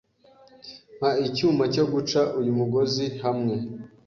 Mpa icyuma cyo guca uyu mugozi hamwe.